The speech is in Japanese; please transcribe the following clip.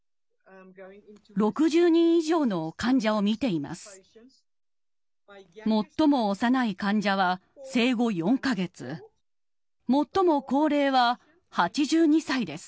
６０人以上の患者を診ています。